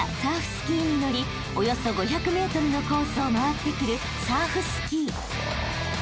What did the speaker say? スキーに乗りおよそ５００ｍのコースを回ってくる］